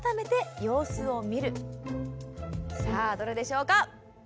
さあどれでしょうか？